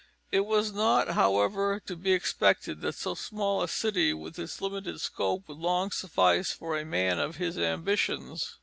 It was not, however, to be expected that so small a city with its limited scope would long suffice for a man of his ambitions.